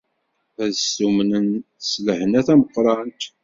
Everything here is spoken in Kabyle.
Ad stummnen s lehna tameqqrant.